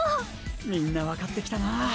みんなわかってきたな。